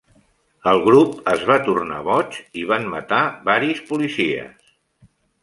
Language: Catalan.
El grup es va tornar boig i van matar varis policies.